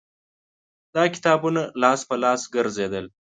دا کتابونه لاس په لاس ګرځېدل